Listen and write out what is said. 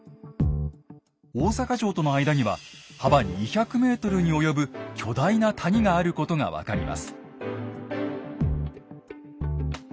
大坂城との間には幅２００ｍに及ぶ巨大な谷があることが分かります。